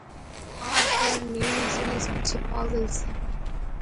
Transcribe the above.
آر پار نئی نسل اس پچھے پاغل سی